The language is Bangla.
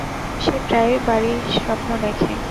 সে প্রায়ই বাড়ির স্বপ্ন দেখে।